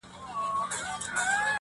ورته اور كلى، مالت، كور او وطن سي٫